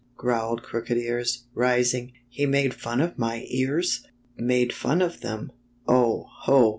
" growled Crooked Ears, rising. " He made fun of my ears !" "Made fun of them! Oh! Ho!